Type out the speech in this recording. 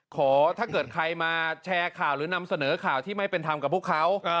ถ้าเกิดใครมาแชร์ข่าวหรือนำเสนอข่าวที่ไม่เป็นธรรมกับพวกเขา